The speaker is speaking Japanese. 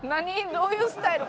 どういうスタイル？」